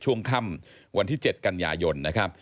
ช่วงค่ำวันที่๗กัญญายน